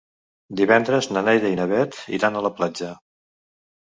Divendres na Neida i na Bet iran a la platja.